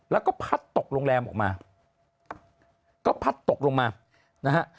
แล้วก็พัดตกโรงแรมออกมาก็พัดตกลงมานะฮะ